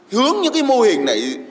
hướng những cái mô hình này